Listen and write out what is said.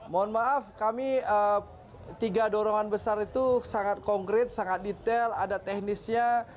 mohon maaf kami tiga dorongan besar itu sangat konkret sangat detail ada teknisnya